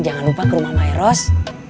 jangan lupa ke rumah myros